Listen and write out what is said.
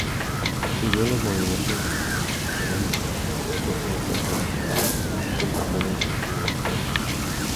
Si bien los movimientos telúricos no pueden ser predichos, sí existen patrones relativamente constantes.